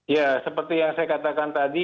ya seperti yang saya katakan tadi